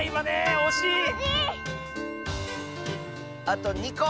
あと２こ！